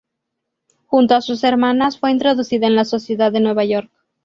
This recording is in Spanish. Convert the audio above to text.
Junto a sus hermanas, fue introducida en la sociedad de Nueva York.